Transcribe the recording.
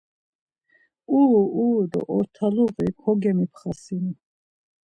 Uru uru do ortaluği kogemipxasinu.